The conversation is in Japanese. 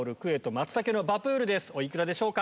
お幾らでしょうか？